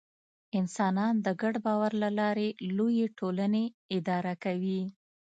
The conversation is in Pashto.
انسانان د ګډ باور له لارې لویې ټولنې اداره کوي.